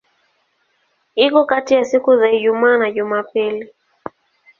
Iko kati ya siku za Ijumaa na Jumapili.